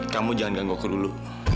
kamu jangan ganggu aku dulu